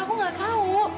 aku gak tau